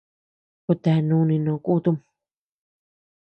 Kutea nuni no kutum.